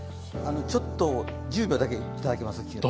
ちょっと１０秒だけいただけます？